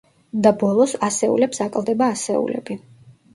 და ბოლოს, ასეულებს აკლდება ასეულები.